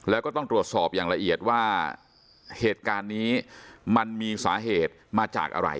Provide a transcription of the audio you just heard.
แล้วก็ต้องตรวจสอบอย่างละเอียดว่าเหตุการณ์นี้มันมีสาเหตุมาจากอะไร